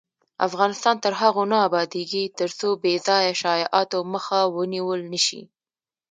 افغانستان تر هغو نه ابادیږي، ترڅو بې ځایه شایعاتو مخه ونیول نشي.